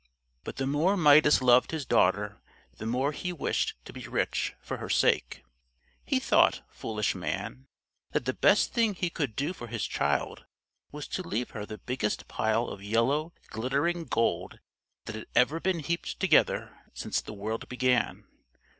But the more Midas loved his daughter, the more he wished to be rich for her sake. He thought, foolish man, that the best thing he could do for his child was to leave her the biggest pile of yellow glittering gold that had ever been heaped together since the world began.